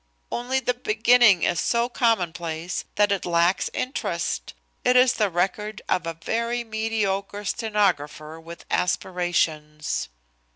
"Only the beginning is so commonplace that it lacks interest. It is the record of a very mediocre stenographer with aspirations."